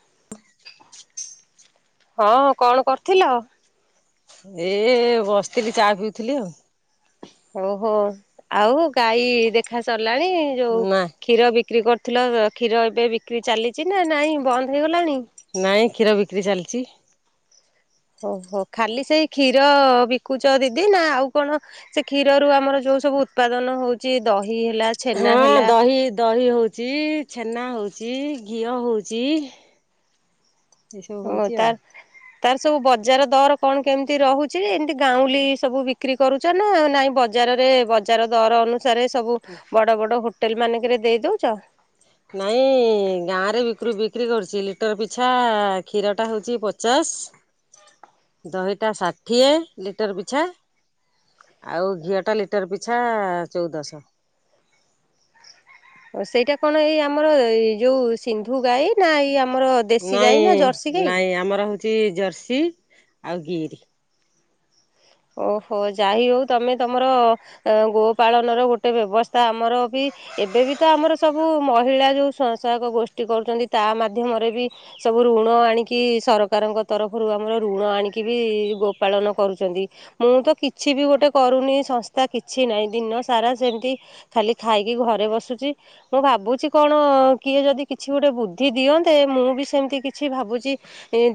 [inaudible] ହଁ କଣ କରୁଥିଲ? ଏ ଏ ବସିଥିଲି ଚା ପିଉଥିଲି ଆଉ। ଓହୋ ଆଉ ଗାଈ ଦେଖା ସ ଲାଣି ଯୋଉ ନା କ୍ଷୀର ବିକ୍ରି କରି [unintelligible] କ୍ଷୀର ଏବେ ବିକ୍ରି ଚାଲିଛି ନା ନାଇଁ ବନ୍ଦ ହେଇଗଲାଣି। ନାଇଁ କ୍ଷୀର ବିକ୍ରି ଚାଲିଛି। ଓହୋ ଖାଲି ସେଇ କ୍ଷୀର ବିକୁଛ ଦିଦି ନା ଆଉ କଣ ସେ କ୍ଷୀରରୁ ଆମର ଯୋଉ ସବୁ ଉତ୍ପାଦନ ହଉଛି ଦହି। ହେଲା ଛେନା ହଁ ହେଲା ଦହି ଦହି ହଉଛି, ଛେନା ହଉଛି। ଘିଅ ହେଉଛି ଏସବୁ ତା ହଉଛି ଆଉ। ତାର ତାର ସବୁ ବଜାର ଦର କଣ କେମିତି ରହୁଛି ଏମିତି ଗାଉଁଲି ସବୁ ବିକ୍ରି କରୁଛ ନା ନାଇଁ ବଜାରରେ ବଜାର ଦର ଅନୁ। ସାରେ ସବୁ ବଡ ବଡ ହୋଟେଲମାନଙ୍କରେ ଦେଇ ଦଉଛ? ନାଇଁ ଗାଁରେ ବିକୃ ବିକ୍ରି କରୁଛି ଲିଟର ପିଛା କ୍ଷୀରଟା ହଉଛି ପଚାଶ, ଦହିଟା ଷାଠିଏ ଲିଟର ପିଛା ଆଉ ଘିଅଟା ଲିଟର ପିଛା ଚଉଦଶ। ସେଇଟା କଣ ଏଇ ଆମର ଏଇ ଯୋଉ ସିନ୍ଧୁ ଗାଈ ନା ଏଇ ଆମର ଦେଶୀ ଗାଈ ନା ଜର୍ସି ନାଇଁ ଗାଈ? ନାଇଁ ଆମର ହଉଛି ଜର୍ସି। ଆଉ ଗିରି। ଓହୋ ଯାାଇ ହଉ ତମେ ତମର ଗୋପାାଳନର ଗୋଟେ ବ୍ୟବସ୍ଥା ଆମର ବି ଏବେବି ତ ଆମର ସବୁ ମହିଳା ଯୋଉ ସ୍ୱୟଂସହାୟକ ଗୋଷ୍ଠୀ କରୁଛନ୍ତି ତା ମାଧ୍ୟମରେ ବି ସବୁ ଋଣ ଆଣିକି ସରକାରଙ୍କ ତରଫରୁ ଆମର ଋଣ ଆଣିକି ବି ଗୋପାଳନ କରୁଛନ୍ତି। ମୁଁ ତ କିଛି ବି ଗୋଟେ କରୁନି ସଂସ୍ଥା କିଛି ନାହିଁ ଦିନ ସାରା ସେମିତି ଖାଲି ଖାଇକି ଘରେ ବସୁଛି ମୁଁ ଭାବୁଛି କଣ କିଏ ଯଦି କିଛି ଗୋଟେ ବୁଦ୍ଧି ଦିଅନ୍ତେ ମୁଁ ବି ସେମିତି କିଛି ଭାବୁଛି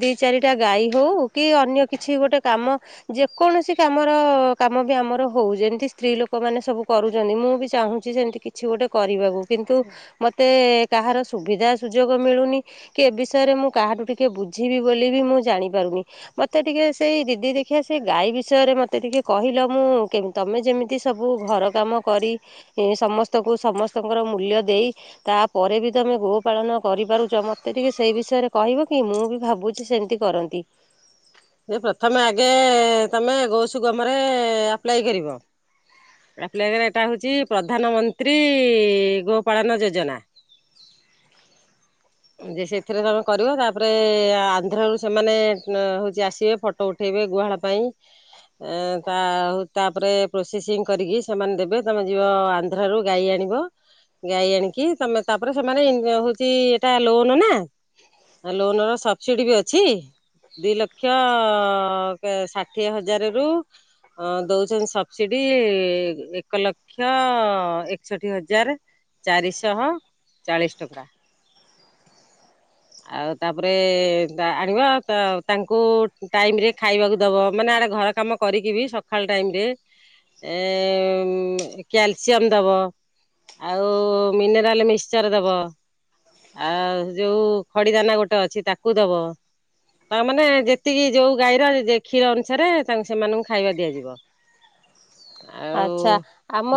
ଦି ଚାରିଟା ଗାଈ ହଉ କି ଅନ୍ୟ କିଛି ଗୋଟେ କାମ ଯିଏ କୌଣସି କାମର କାମ ବି ଆମର ହଉ ଯେମିତି ସ୍ତ୍ରୀ ଲୋକମାନେ ସବୁ କରୁଛନ୍ତି ମୁଁ ବି ଚାହୁଁଛି ସେମିତି କିଛି ଗୋଟେ କରିବାକୁ କିନ୍ତୁ ମୋତେ କାହାର ସୁବିଧା ସୁଯୋଗ ମିଳୁନି କି ଏ ବିଷୟରେ ମୁଁ କାହାଠୁ ଟିକେ ବୁଝିବି ବୋଲି ବି ମୁଁ ଜାଣିପାରୁନି ମୋତେ ଟିକେ ସେଇ ଦିଦି ଦେଖି ସେ ଗାଈ ବିଷୟରେ ମୋତେ ଟିକେ କହିଲ, ମୁଁ ତମେ ଯେମିତି ସବୁ ଘର କାମ କରି ସମସ୍ତଙ୍କୁ ସମସ୍ତଙ୍କର ମୂଲ୍ୟ ଦେଇ ତାପରେ ବି ତମେ ଗୋପାାଳନ କରିପାରୁଛ। ମୋତେ ଟିକେ ସେଇ ବିଷୟରେ କହିବ କି ମୁଁ ବି ଭାବୁଛି ସେମିତି କରନ୍ତି। ଯେ ପ୍ରଥମେ ଆଗେ ତମେ ଗୌସୁଗମରେ ଆପ୍ଲାାଇ କରିବ। ଆପ୍ଲାାଇ କରିବାର ଟାଇମ୍ ହଉଛି ପ୍ରଧାନମନ୍ତ୍ରୀ ଗୋପାାଳନ ଯୋଜନା ଯେ ସେଥିରେ ତମେ କରିବ ତାପରେ ଆନ୍ଧ୍ରାରୁୁ ସେମାନେ ହଉଛି ଆସିବେ ଫଟୋ ଉଠେଇବେ ଗୁହାଳ ପାଇଁ ତା ତାପରେ ପ୍ରୋସେସିଂ କରିକି ସେମାନେ ଦେବେ ତମେ ଯିବ ଆନ୍ଧ୍ରାରୁୁ ଗାଈ ଆଣିବ ଗାଈ ଆଣିକି ତମେ ତାପରେ ସେମାନେ ହଉଛି। ତା ଲୋନ୍ ନା ଲୋନ୍ ର ସବସିଡି ବି ଅଛି ଦି ଲକ୍ଷ ଷାଠିଏ ହଜାରରୁ ଦଉଛନ୍ତି ସବସିଡି ଏକ ଲକ୍ଷ ଏକଷଠି ହଜାର ଚାରିଶହ ଚାଳିଶ ଟଙ୍କା। ଆଉ ତାପରେ ଆଣିବା ତାଙ୍କୁ ଟାଇମରେ ଖାଇବାକୁ ଦବ ମାନେ ଆଡେ ଘର କାମ କରିକି ବି ସକାଳ ଟାଇମରେ ଏ କ୍ୟାଲସିୟମ ଦବ ଆଉ ମିନେରାଲ ମିକ୍ସଚର ଦବ। ଆଉ ଯୋଉ ଖଡି ଦାନା ଗୋଟେ ଅଛି ତାକୁ ଦବ ତା ମାନେ ଯେତିକି ଯୋଉ ଗାଈର କ୍ଷୀର ଅନୁସାରେ ତାଙ୍କୁ ସେମାନଙ୍କୁ ଖାଇବା ଦିଆଯିବ। ଆଛା ଆଉ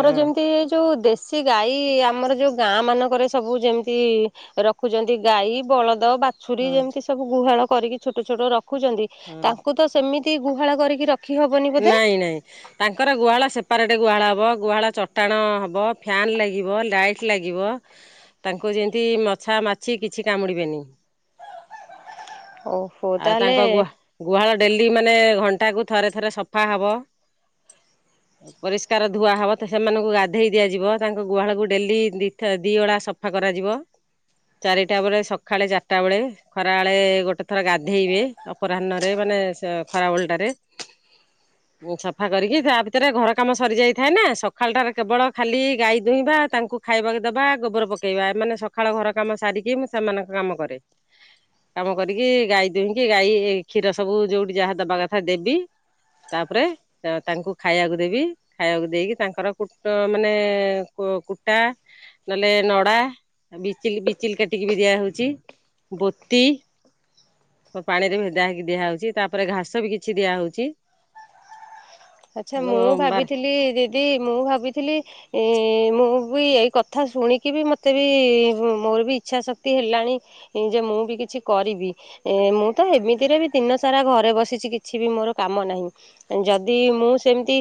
ହଁ ଯେମିତି ଯୋଉ ଦେଶ। ସେ ଗାଈ ଆମର ଯୋଉ ଗାଁ ମାନଙ୍କରେ ସବୁ ଯେମିତି ରଖୁଛନ୍ତି ଗାଈ ବଳଦ। ତ ବାଛୁରୀ ହଁ ଯେମିତି ସବୁ ଗୁହାଳ କରିକି ଛୋଟ ଛୋଟ ରଖ ରଖୁଛନ୍ତି ହଁ ତାଙ୍କୁ ତ ସେମିତି କିଏ ଗୁହାଳ କରିକି ରଖି ହବନି ବୋଧେ ନାଇଁ ନାଇଁ ତାଙ୍କର ଗୁହାଳ ସେ [inaudible] ସେପାରଟେ ଗୁହାଳ ହବ, ଗୁହାଳ ଚଟାଣ ହବ, ଫାନ୍ ଲାଗିବ, ଲାଇଟ ଲାଗିବ ତାଙ୍କୁ ଯେମିତି ମଛା, ମାଛି କିଛି କାମୁଡିବେନି। ଓହୋ ଆଉ ତାହେଲେ ତାଙ୍କ ଗୁହା ଗୁହାଳ ଡେଲି ମାନେ ଘଣ୍ଟା ସପ୍ତାହକୁ ଥରେ ଥରେ ସବୁ ସଫା ହଵ, ପରିଷ୍କାର ଧୁଆ ହବ, ସେମାନଙ୍କୁ ଗାଧେଇ ଦିଆଯିବ, ତାଙ୍କ ଗୁହାଳକୁ ଡେଲି ଦି ଓଳା ସଫା କରାଯିବ, ଚାରିଟା ବେଳେ ସକାଳେ ଚାରିଟା ବେଳେ ଖରାବେଳେ ଗୋଟେ ଥର ଗାଧେଇବେ ଅପରାହନ ମାନେ ଖରା ବେଳ ଟାରେ ସଫା କରିକି ତା ଭିତରେ ଘର କାମ ସରି ଯାଇଥାଏ ନା, ସଖାଳ ଟାରେ କେବଳ ଖାଲି ଗାଈ ଦୁହିଁବା, ତାଙ୍କୁ ଖାଇବାକୁ ଦବା, ଗୋବର ପକେଇବା ଏମାନେ ସକାଳ ଘର କାମ ସାରିକି ମୁଁ ସେମାନଙ୍କ କାମ କରେ। କାମ କରିକି ଗାଈ ଦୁହିଁକି ଗାଈ କ୍ଷୀର ସବୁ ଯୋଉଠି ଯାହା ଦବା କଥା ଦେବି ତାପରେ ତାଙ୍କୁ ଖାଇବାକୁ ଦେବି, ଖାଇବାକୁ ଦେଇକି ତାଙ୍କର କୁ ମାନେ କୁ କୁଟା ନହେଲେ ନଡା ବିଚିଲ ବିଚିଲ କାଟିକି ବି ଦିଆ ହଉଛି, ବୋତି ପାଣିରେ ଭେଦା ହେଇକି ଦିଆହଉଛି ତାପରେ ଘାସ ବି କିଛି ଦିଆହଉଛି। ଆଚ୍ଛା ତେଣୁ ମୁଁ ବା ଭାବିଥିଲି ଦିଦି ମୁଁ ଭାବିଥିଲି ମୁଁ ବି ଏଇ କଥା ଶୁଣିକି ବି ମୋତେ ବି ମୋର ବି ଇଚ୍ଛାଶକ୍ତି ହେଲାଣି ଯେ ମୁଁ ବି କିଛି କରିବି ମୁଁ ତ ଏମିତିରେ ବି ଦିନସାରା ଘରେ ବସିଛି କିଛି ବି ମୋର କାମ ନାହିଁ ଯଦି ମୁଁ ସେମିତି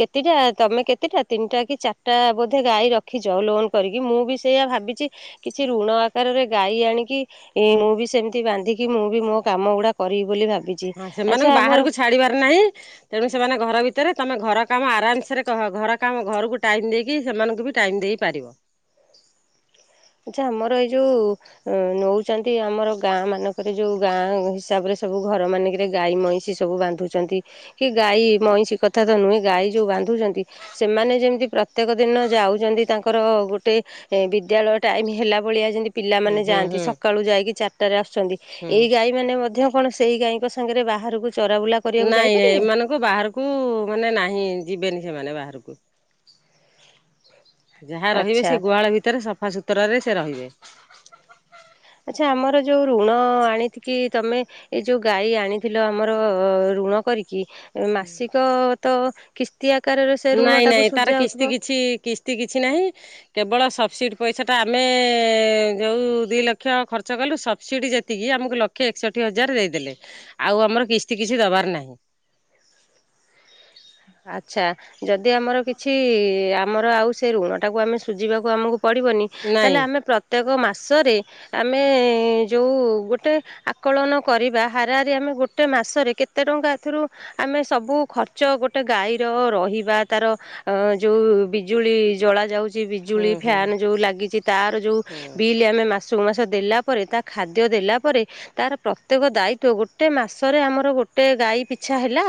କେତେଟା ତମେ କେତେଟା ତିନିଟା କି ଚାରିଟା ବୋଧେ ଗାଈ ରଖିଛ। ଲୋନ୍ କରିକି ମୁଁ ବି ସେଇଆା ଭାବିଛି କିଛି ଋଣ ଆକାର ରେ ଗାଇ ଆଣିକି ମୁଁ ସେମିତି ବନ୍ଧିକି ମୋ କାମା ଗୁଡା କରିବି ବୋଲି ଭାବିଛି। ହଁ ସେମାନଙ୍କୁ ଆଚ୍ଛା ଆମର ବାହାରକୁ ଛାଡିବାର ନାହିଁ। ତେଣୁ ସେମାନେ ଘର ଭିତରେ ତମେ ଘର କାମ ଆରାମସରେ ଘର କାମ ଘରକୁ ଟାଇମ ଦେଇକି ସେମାନଙ୍କୁ ବି ଟାଇମ ଦେଇପାରିବ। ଆଚ୍ଛା ଆମର ଏଇ ଯୋଉ ନଉଛନ୍ତି ଆମର ଗାଁ ମାନଙ୍କରେ ଯୋଉ ଗାଁ ହିସାବରେ ସବୁ ଘର ମାନଙ୍କରେ ଗାଈ ମଇଁଷି ସବୁ ବାନ୍ଧୁଛନ୍ତି କି ଗାଈ ମଇଁଷି କଥା ତ ନୁହେଁ ଗାଈ ଯୋଉ ବାନ୍ଧୁଛନ୍ତି ସେମାନେ ଯେମିତି ପ୍ରତ୍ୟେକ ଦିନ ଯାଉଛନ୍ତି ତାଙ୍କର ଗୋଟେ ବିଦ୍ୟାଳୟ। ଟାଇମ୍ ହେଲା ଭଳିଆ ଯେମିତି ହୁଁ ପିଲାମାନେ ହୁଁ ଯାଆନ୍ତି ହୁଁ ସକାଳୁ ଯାଇକି ଚାର ତ ରାସ୍ ଆଛନ୍ତି ହୁଁ। ଏଇ ଗାଈ ମାନେ ମଧ୍ୟ ଆପଣ ସେଇ ଗାଈଙ୍କ ସାଙ୍ଗରେ ବାହାରକୁ ଚରାବୁଲା କରିବାକୁ ନାଇଁ ଯାଇପାରିବେ? ଏମାନଙ୍କୁ ବାହାରକୁ ମାନେ ନାହିଁ ଯିବେନି। ଏମାନେ ବାହାରକୁ ଯାହା ରହିବେ ଆଚ୍ଛା ସେ ଗୁହାଳ ଭିତରେ ସବୁ ସଫା ସତୁରା ରେ ସେ ରହିବେ। ଆଚ୍ଛା ଆମର ଯୋଉ ଋଣ ଆଣି କିି ତମେ ଏ ଯୋଉ ଗାଈ ଆଣିଥିଲ ଆମର ଋଣ କରିକି କି ମାସିକ ଅ ତ କିସ- ନାଇଁ ନାଇଁ ତାର କିସ୍ତି କିଛି କିସ୍ତି କିଛି ନାହିଁ କେବଳ ସବସିଡ଼ି ପଇସାଟା ଆମେ ଏ ଯୋଉ ଦି ଲକ୍ଷ ଖର୍ଚ୍ଚ କଲୁ ସବସିଡ଼ି ଯେତିକି ଆମକୁ ଲକ୍ଷ ଏକଷଠି ହଜାର ଦେଇଦେଲେ, ଆଉ ଆମର କିସ୍ତି କିଛି ଦେବାର ନାହିଁ। ଆଚ୍ଛା ଯଦି ଆମର କିଛି ଆମର ଆଉ ସେ ଋଣ ଟାକୁ ଆମେ ସୁଝିବାକୁ ଆମକୁ ପଡ଼ିବନି ନାଇଁ ତାହେଲେ ଆମେ ପ୍ରତ୍ୟେକ ମା ମାସରେ ଆମେ ଯେଉଁ ଗୋଟେ ଆକଳନ କରିବା ହାରା ହାରି ରେ ଆମେ ଗୋଟେ ମାସରେ କେତେ ଟଙ୍କା ଏଥିରୁ ଆମେ ସବୁ ଖର୍ଚ ଗ ଗୋଟେ ଗାଈର ରହିବା ତାର ଅ ଯୋଉ ବିଜୁଳି ଜଳା ଯାଉଛି ବିଜୁଳି ହୁଁ ହୁଁ ଫ୍ୟାନ ଯୋଉ ଲାଗିଛି ତାର ଯୋଉ ହୁଁ ବିଲ୍ ଆମେ ମାସ ସବୁ ମାସ ଦେଲା ପରେ, ତା ଖାଦ୍ୟ ଦେଲା ପରେ, ତାର ପ୍ରତ୍ୟେକ ଦାୟିତ୍ଵ, ଗୋଟେ ମାସରେ, ଆମର ଗୋଟେ ଗାଈ ପିଛା ହେଲା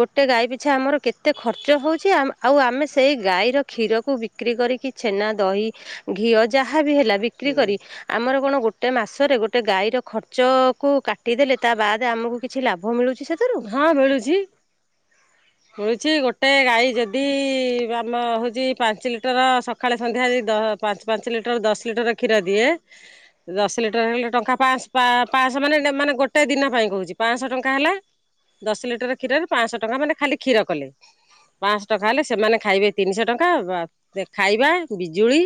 ଗୋଟେ ଗାଈି। ଆଛା ଆମର କେତେ ଖର୍ଚ୍ଚ ହେଉଛି, ଆଉ ଆମେ ସେଇ ଗାଈର କ୍ଷୀରକୁ ବିକ୍ରି କରିକି ଛେନା, ଦହି ଘିଅ ଯାହା ଯାହା ବି ହେଲା ବିକ୍ରି ହୁଁ କରି, ଆମର କଣ। ଗୋଟେ ମାସରେ, ଗୋଟେ ଗାଈର ଖର୍ଚ କୁ କାଟିଦେଲେ, ତା ବାଦେ ଆମକୁ କିଛି ଲାଭ ମିଳୁଛି। ସେଥିରୁ ହଁ ମିଳୁଛି। ମିଳୁଛି ଗୋଟେ ଗାଈ ଯଦି, ଆମ ହଉଛି ପାଞ୍ଚ ଲିଟର ସଖାଳେ ସନ୍ଧ୍ୟା ଯଦି ଦ ପାଞ୍ଚ ପାଞ୍ଚ ଲିଟର ଦଶ ଲିଟର କ୍ଷୀର ଦିଏ, ଦଶ ଲିଟର ହେଲେ ଟଙ୍କା ପାଁସ ପା ପାଁସ ମାନେ ନେ ମାନେ ଗୋଟେ ଦିନ ପାଇଁ କହୁଛି ପାଁସ ଟଙ୍କା ହେଲେ। ଦଶ ଲିଟର କ୍ଷୀରରେ ପାଁସ ଟଙ୍କା, ମାନେ ଖାଲି କ୍ଷୀର କଲେ, ପାଁସ ଟଙ୍କା ହେଲେ, ସେମାନେ ଖାଇବେ ତିନିଶହ ଟଙ୍କା, ଖାଇବା, ବିଜୁଳି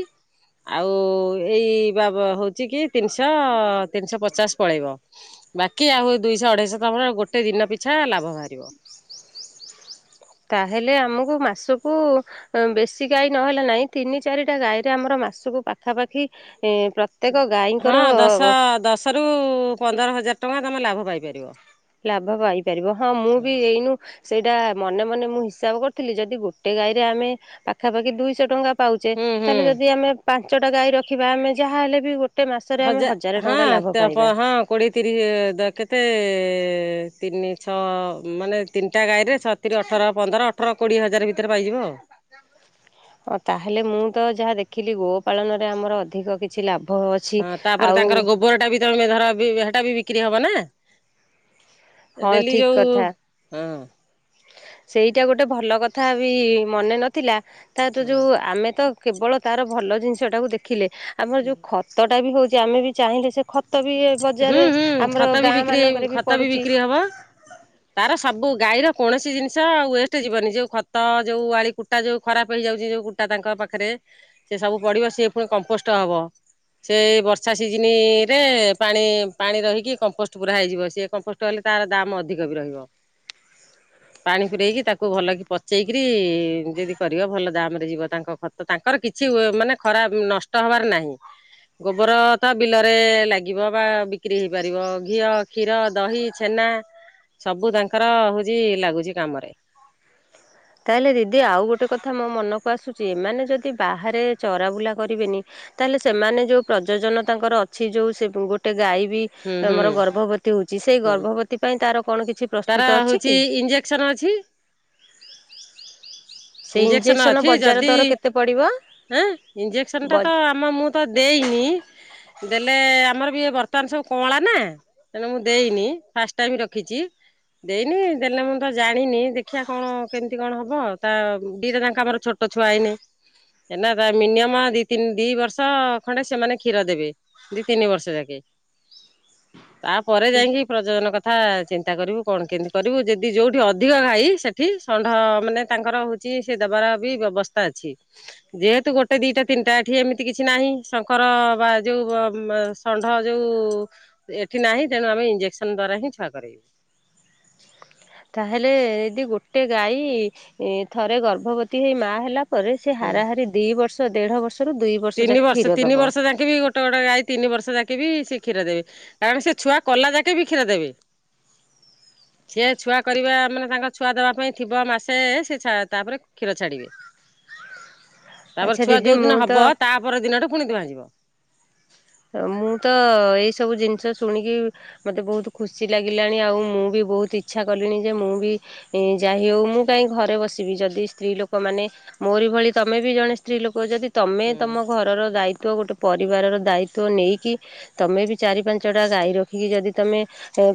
ଆଉ ଏଇ ବା ହଉଛି କି ତିନ୍ସ, ତିନ୍ସ ହ ପଚାଶ ପଳେଇବ ବାକି ଆଉ ଦୁଇଶହ ଅଢେଇଶହ ଟଙ୍କା ଗୋଟେ ଗୋଟେ ଦିନ ପିଛା ଲାଭ ବାହାରିବ। ତାହେଲେ ଆମକୁ ମାସକୁ, ବେଶି ଗାଈ ନହେଲା ନାହିଁ, ତିନି ଚାରିଟା ଗାଈରେ ଆମର ମାସକୁ ପାଖାପାଖି ଏ ପ୍ରତ୍ୟେକ ହଁ ଗାଈଙ୍କର ଦଶ ଦଶ ରୁ ପନ୍ଦର ହଜାର ଟଙ୍କା। ତମ ଲାଭ ପାଇପାରିବ। ଲାଭ ପାଇପାରିବ, ହଁ ମୁଁ ବି ଏଇନୁ। ସେଇଟା ମନେ ମନେ ମୁଁ ହିସାବ କରିଥିଲି, ଯଦି ଗୋଟେ ଗାଈରେ ଆମେ ପାଖାପାଖି ଦୁଇଶହ ଟଙ୍କା ପାଉଛେ ହୁଁ ତାହେଲେ ହୁଁ। ଯଦି ଆମେ ପାଞ୍ଚଟା ଗାଈ ରଖିବା ଆମେ ଯାହାହଲେ ବି ଗୋ ହଜା ହଁ ହଁ କୋଡିଏ ତିରିଶ କେତେ। ତିନି ଛଅ ମାନେ, ତିନିଟା ଗାଈ ରେ ଛଅତିରି ଅଠର, ପନ୍ଦର, ଅଠର, କୋଡିଏ ହଜାର ଭିତରେ ପାଇଯିବ ଆଉ। ହଁ ତାହେଲେ ମୁଁ ତ ଯାହା ଦେଖିଲି ଗୋ ପାାଳନରେ ଆମର ଅଧିକ କିଛି ଲାଭ। ଅଛି। ହଁ ତାପରେ ଆଉ ତାଙ୍କର ଗୋବର ଟା ବି ତମେ ଧର ଵି ସେଟା ବି ବିକି ହବ ନା। ହଁ ଡେଲି ଠିକ ଯୋଉ କଥା ହଁ। ସେଇଟା ଗୋଟେ ଭଲ କଥା ବି ମନେ ନଥିଲା। ତା ତୁ ହଁ ଯୋଉ ଆମେ ତ କେବଳ ତାର ଭଲ ଜିନିଷଟାକୁ ଦେଖିଲେ। ଆମର ଯୋଉ ଖତ। ବି ହଉଛି ଆମେ ବି ଚାହିଁଲେ ସେ ଖ ହୁଁ ହୁଁ ଖତ ବି ବିକ୍ରି, ମାନଙ୍କରେ ଖତ ବି ପଡୁଛି। ବିକ୍ରି ହବ, ତାର ସବୁ ଗାଈର କୌଣସି ଜିନିଷ। ଚ ୱେଷ୍ଟ୍ ଯିବନି ଯୋଉ ଖତ, ଯୋଉ ଆଳି କୁଟା, ଯୋଉ ଖରାପ ହେଇଯାଉଛି, ଯୋଉ କୁଟା ତାଙ୍କ ପାଖରେ, ସେ ସବୁ ପଡିବ, ସିଏ ପୁଣି କମ୍ପୋଷ୍ଟ ହବ, ସେ ବର୍ଷା ସିଜିନ୍ ରେ। ପାଣି ପାଣି ରହିକି କମ୍ପୋଷ୍ଟ ପୁରା ହେଇଯିବ, ସେ କମ୍ପୋଷ୍ଟ କଲେ, ତାର ଦାମ ଅଧିକ ବି ରହିବ, ପାଣି ପୂରେଇକି, ତାକୁ ଭଲ କିି ପଚେଇକରି, ଯଦି କରିବ ଭଲ ଦାମରେ ଯିବ ତାଙ୍କ ଖତ, ତାଙ୍କର କିଛି ମାନେ ଖରାପ ନଷ୍ଟ ହବାର ନାହିଁ, ଗୋବର ତ ବିଲରେ ଲାଗ୍। ଯିବ ବା ବିକ୍ରି ହେଇପାରିବ ଘିଅ, କ୍ଷୀର, ଦହି, ଛେନା ସବୁ ତାଙ୍କର ହଉଛି ଲାଗୁଛି କାମରେ। ତାହେଲେ ଦିଦି ଆଉ ଗୋଟେ କଥା ମୋ ମନକୁ ଆସୁଛି, ଏମାନେ ଯଦି ବାହାରେ ଚରାବୁଲା କରିବେନି, ତାହେଲେ ସେମାନେ ଯୋଉ ପ୍ରଯୋଜନ ତାଙ୍କର, ଅଛି ଯୋଉ ଗୋଟେ ଗାଈ। ବି ହୁଁ ହୁଁ ଆମର ଗର୍ଭବତୀ ହଉଛି ସେଇ ହୁଁ। ଗର୍ଭବତୀ ପାଇଁ ତାର କଣ କିଛି। ତାର ପ୍ରସ୍ତୁତ ଅଛି ହଉଛି କି? ଇଞ୍ଜେକ୍ସନ୍ ଅଛି। ସେଇ ଇଞ୍ଜେକ୍ସନ୍ ଇଞ୍ଜେକ୍ସନ ଅଛି ବଜାର ଯଦି ଦର କେତେ ପଡିବ? ହାଁ ଇଞ୍ଜେକ୍ସନ୍ ଟା ତ ଆମ ମୁଁ ତ ଦେଇନି। ଦେଲେ ଆମର ବି ବର୍ତ୍ତମାନ ସବୁ କଁଳା ନା ତେଣୁ ମୁଁ ଦେଇନି ଫାଷ୍ଟ ଟାଇମ ରଖିଚି। ଦେଇନି ଦେଲେ ମୁଁ ତ ଜାଣିନି ଦେଖିବା କଣ କେମିତି କଣ ହବ ତା ଦିଟା ଯାକ ଆମର ଛୋଟ ଛୁଆ ଏଇନେ ଏନା ତା ମିନିମମ ଦି ତିନି ଦିବର୍ଷ ଖଣ୍ଡେ ସେମାନେ କ୍ଷୀର ଦେବେ ଦି ତିନି ବର୍ଷ ଯାକେ। ତାପରେ ଯାଇଁକି ପ୍ରଜଜନ କ ଥା ଚିନ୍ ନ୍ତା କରିବୁ କଣ କେମିତି କରିବୁ ଯେଦି ଯୋଉଠି ଅଧିକ ଘାଇ ସେଠି ଷଣ୍ଢମାନେ ତାଙ୍କର ହୋଉଚି ସିଏ ଦବାର ବି ବ୍ୟବସ୍ଥା ଅଛି ଯେହେତୁ ଗୋଟେ ଦିଟା ତିନଟା ଏଠି ଏମିତି କିଛି ନାହିଁ ଶଙ୍କର ବା ଯୋଉ ଗ-ମ-ଷଣ୍ଢ ଯୋଉ ଏଠି ନାହିଁ ତେଣୁ ଆମେ ଇଞ୍ଜେକ୍ସନ ଦ୍ଵାରା ହିଁ ଛୁଆ କରେଇବୁ। ତାହେଲେ ଏଦି ଗୋଟେ ଗାଈ ଇ ଥରେ ଗର୍ଭବତୀ ହେଇ ମା ହେଲା ପରେ ସେ ହୁଁ ହାରାହାରି ଦିବର୍ଷ ଦେଢ଼ ବର୍ଷ ବର୍ଷରୁ ଦୁଇ ତିନି ଯାକେ ବର୍ଷ କ୍ଷୀର ତିନି ଦବ। ବର୍ଷ ଯାକେଁ ବି ଗୋଟ ଗୋଟେ ଗାଈ ତିନି ବର୍ଷ ଯାକେ ବି ସେ କ୍ଷୀ କ୍ଷୀର ଦେବେ କାରଣ ସେ ଛୁଆ କଲା ଯାକେ ବି କ୍ଷୀର ଦେବେ ସିଏ ଛୁଆ କରିବା ମାନେ ତାଙ୍କ ଛୁଆ ଦବା ପାଇଁ ଥିବ ମାସେ ସେ ଛା-ତାପରେ କ୍ଷୀର ଛାଡିବେ। ତାପରେ ଆଚ୍ଛା ଛୁଆ ଦିଦି ଯୋଉ ମୁଁ ଦିନ ତ ହବ ଦିନଟେ ପୁଣି ଦୁଁହା ଯିବ। ମୁଁ ତ ଏଇସବୁ ଜିନିଷ ଶୁଣିକି ମତେ ବୋହୁତ ଖୁସି ଲାଗିଲାଣି ଆଉ ମୁଁ ବି ବୋହୁତ ଇଚ୍ଛା କଲିଣି ଯେ ମୁଁ ବି ଯାହି ହୋଉ ମୁଁ କାହିଁ ଘରେ ବସିବି ଯଦି ସ୍ତ୍ରୀ ଲୋକମାନେ ମୋରି ଭଳି ତମେ ବି ଜଣେ ସ୍ତ୍ରୀ ଲୋକ ଯଦି ତମେ ତମ ଘରର ଦାୟି ତ ଗୋଟେ ପରିବାରର ଦାୟି ତ୍ୱ ନେଇକି ତୁମେ ବି ଚାରି ପାଞ୍ଚଟା ଗାଈ ରଖିକି ଯଦି ତୁମେ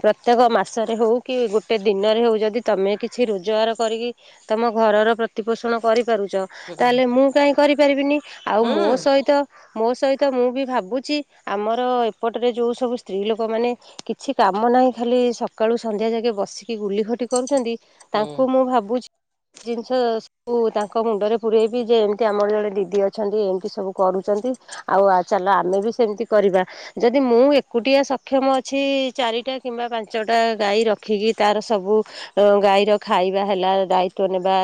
ପ୍ରତ୍ୟେକ ମାସରେ ହେଉ କି ଗୋଟେ ଦିନରେ ହେଉ ଯଦି ତମେ କିଛି ରୋଜଗାର କରିକି ତୁମ ଘରର ପ୍ରତିପୋଷଣ କରି ପାରୁଚ ତାହେଲେ ମୁଁ କାଇଁ କରିପାରିବିନି। ଆଉ ମୋ ସହିତ ମୋ ସହିତ ମୁଁ ବି ଭାବୁ ଚି ଆମର ଏପଟରେ ଯୋଉ ସବୁ ସ୍ତ୍ରୀ ଲୋକମାନେ କିଛି କାମ ନାହିଁ ଖାଲି ସକାଳୁ ସନ୍ଧ୍ୟା ଯାକେ ବସିକି ଗୁଲି ଘଟି କରୁଚନ୍ତି ତାଙ୍କୁ ମୁଁ ଭାବୁଚି ଜିନିଷ ସବୁ ତାଙ୍କ ମୁଣ୍ଡରେ ପୁରେଇବି ଯେ ଏମତି ଆମର ଜଣେ ଦିଦି ଅଛନ୍ତି ଏମତି ସବୁ କରୁଚନ୍ତି ଆଉ ଚାଲ ଆମେ ବି ସ୍ ସେମତି କରିବା ଯଦି ମୁଁ ଏକୁଟିଆ ସକ୍ଷମ ଅଛି ଚାରିଟା କିମ୍ବା ପାଞ୍ଚଟା ଗାଈ ରଖିକି ତାର ସବୁ ଗାଈର ଖାଇବା ହେଲା ଦାୟିତ୍ୱ ନେବା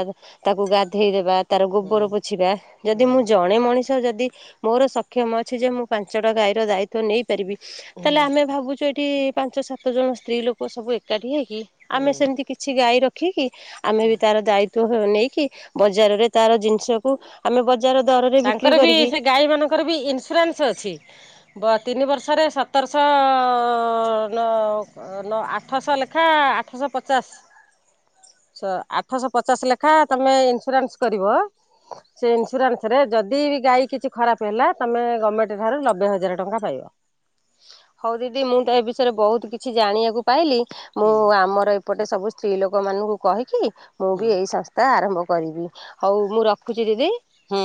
ତାକୁ ଗାଧେଇ ଦେବା ତାର ଗୋବର ପୋଛିବା ଯଦି ମୁଁ ଜଣେ ମଣିଷ ଷ ଯଦି ମୋର ସକ୍ଷମ ଅଛି ଯେ ମୁଁ ପାଞ୍ଚଟା ଗାଈର ଦାୟି ତ୍ୱ ନେଇପାରିବି ତାହେଲେ ଆମେ ଭାବୁଚୁ ଏ ଏଇ ପାଞ୍ଚ ସାତ ଜଣ ସ୍ତ୍ରୀ ଲୋକ ସବୁ ଏକାଠି ହେଇ କି ଆମେ ସେମିତି କିଛି ଗାଈ ର ଠିକି ଆମେ ବି ତାର ଦାୟି ତ୍ୱ ନେଇକି ବଜାରରେ ତାର ଜିନିଷକୁ ଆମେ ବ ତାଙ୍କର ବି ସେ ଗାଈ ମାନଙ୍କର ବି ଇନସୁରାନସ ଅଛି। ବ ତିନି ବର୍ଷରେ ସତରଶ ଅ-ନଅ-ଅ-ନଅ ଆଠଶ ଲେଖା ଆଠଶ ପଚାଶ ସ-ଆଠଶ ପଚାଶ ଲେଖା ତମେ ଇନସୁରାନସ୍ କରିବ ସେ ଇନସୁରାନସ୍ ରେ ଯଦି ବି ଗାଈ କିଛି ଖରାପେ ହେଲା ତମେ ଗଭର୍ଣମେଣ୍ଟ ଠାରୁ ନବେ ହଜାର ଟଙ୍କା ପାଇବ। ହଉ ଦିଦି ମୁଁ ତ ଏ ବିଷୟରେ ବହୁତ କିଛି ଜାଣିବାକୁ ପାଇଲି। ମୁଁ ହୁଁ ଆମର ପଟେ ସବୁ ସ୍ତ୍ରୀ ଲୋକମାନଙ୍କୁ କହିକି। ମୁଁ ହୁଁ ବି ଏଇ ସଂସ୍ଥା ଆରମ୍ଭ କରିବି ହଉ ମୁଁ ରଖୁଛି ଦିଦି। ହୁଁ।